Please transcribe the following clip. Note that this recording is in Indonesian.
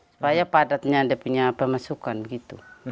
supaya padatnya dia punya pemasukan gitu